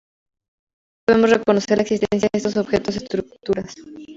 Por lo tanto, debemos reconocer la existencia de esos objetos o estructuras.